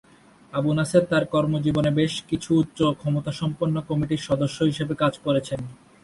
আবু নসর তার কর্মজীবনে বেশ কিছু উচ্চ ক্ষমতাসম্পন্ন কমিটির সদস্য হিসেবে কাজ করেছেন।